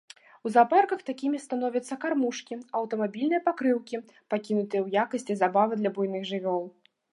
У заапарках такімі становяцца кармушкі, аўтамабільныя покрыўкі, пакінутыя ў якасці забавы для буйных жывёл.